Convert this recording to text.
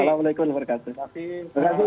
assalamu'alaikum warahmatullahi wabarakatuh